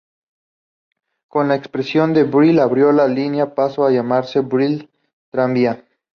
Con la extensión de Brill abrió la línea pasó a llamarse Brill Tranvía.